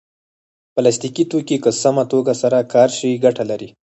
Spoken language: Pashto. پلاستيکي توکي که سمه توګه سره کار شي ګټه لري.